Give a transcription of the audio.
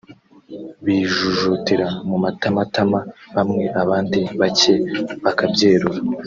bijujutira mu matamatama bamwe abandi bacye bakabyerura